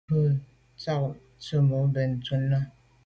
Ndù à ghù ze mba tsemo’ benntùn nà.